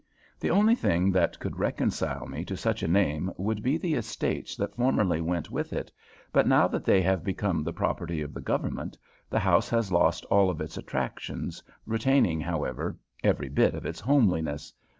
The only thing that could reconcile me to such a name would be the estates that formerly went with it, but now that they have become the property of the government the house has lost all of its attractions, retaining, however, every bit of its homeliness.